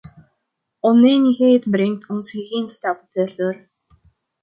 Onenigheid brengt ons geen stap verder.